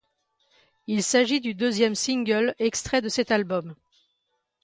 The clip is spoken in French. Il s'agit du deuxième single extrait de cet album.